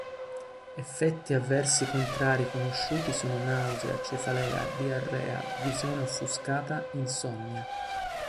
Effetti avversi contrari conosciuti sono nausea, cefalea, diarrea, visione offuscata, insonnia.